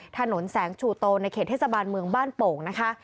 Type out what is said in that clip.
ถนนแสงชูโตในเขตเทศบาลเมืองบ้านโป่งนะคะ